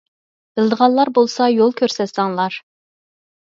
بىلىدىغانلار بولسا يول كۆرسەتسەڭلار.